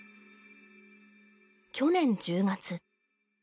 去年１０月。